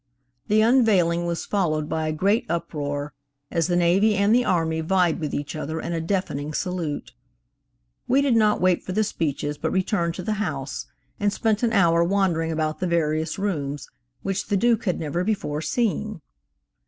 The unveiling was followed by a great uproar, as the Navy and the Army vied with each other in a deafening salute. We did not wait for the speeches but returned to the house, and spent an hour wandering about the various rooms, which the Duke had never before seen.